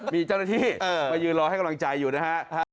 มีเจ้าหน้าที่มายืนรอให้กำลังใจอยู่นะฮะ